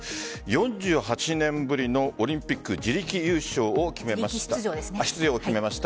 ４８年ぶりのオリンピック自力出場を決めました